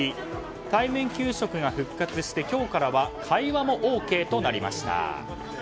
対面給食が復活して今日からは対話もＯＫとなりました。